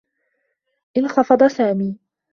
انخفض سامي.